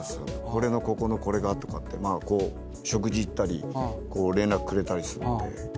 「これのここのこれが」って食事行ったり連絡くれたりするんで。